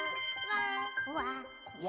「わ！」